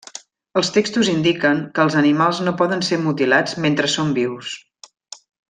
Els textos indiquen que els animals no poden ser mutilats mentre són vius.